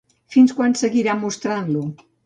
Fins quan seguirà mostrant-lo?